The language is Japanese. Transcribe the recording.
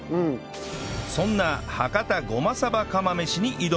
そんな博多ごまさば釜飯に挑むのは